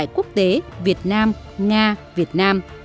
quốc tế việt nam nga việt nam